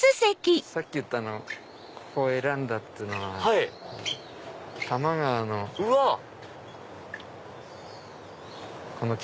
さっき言ったここを選んだっていうのは多摩川の。